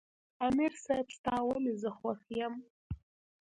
" امیر صېب ستا ولې زۀ خوښ یم" ـ